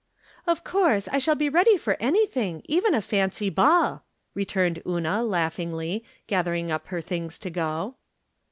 " Of course I shall be ready for anything, even a fancy ball !" returned Una, laughingly, gather ing up her things to go.